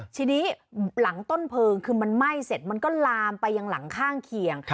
ทีนี้หลังต้นเพลิงคือมันไหม้เสร็จมันก็ลามไปยังหลังข้างเคียง